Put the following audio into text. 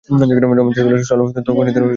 রমেন চলে গেল, সরলাও তখনি উঠে যাবার উপক্রম করলে।